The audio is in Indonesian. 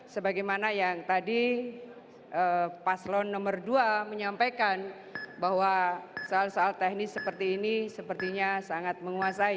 sebagaimana yang tadi paslon nomor dua menyampaikan bahwa soal soal teknis seperti ini sepertinya sangat menguasai